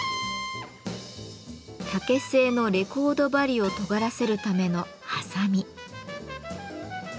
竹製のレコード針をとがらせるためのはさみ。